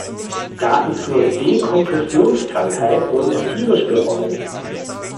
Daten zur Dekompressionskrankheit wurden empirisch gewonnen.